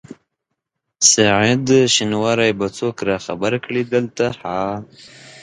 سعید شېنواری به څوک راخبر کړي دلته ها؟